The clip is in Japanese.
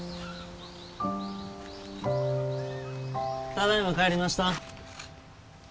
ただいま帰りました。